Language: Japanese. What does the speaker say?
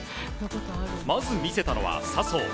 まず見せたのは笹生。